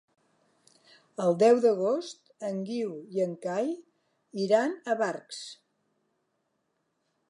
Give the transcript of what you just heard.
El deu d'agost en Guiu i en Cai iran a Barx.